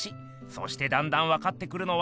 そしてだんだんわかってくるのは。